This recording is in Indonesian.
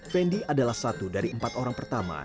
fendi adalah satu dari empat orang pertama